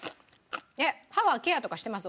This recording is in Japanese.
歯はケアとかしてます？